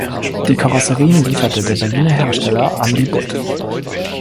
Die Karosserien lieferte der Berliner Hersteller Ambi-Budd.